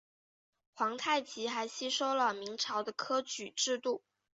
皇太极还吸收了明朝的科举制度。